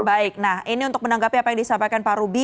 baik nah ini untuk menanggapi apa yang disampaikan pak rubi